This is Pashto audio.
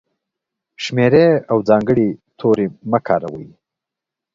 شمېرې او ځانګړي توري مه کاروئ!.